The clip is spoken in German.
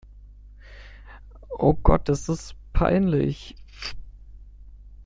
Oh Gott, ist das peinlich!